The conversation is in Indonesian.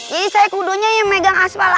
jadi saya kudonya yang megang asfal aja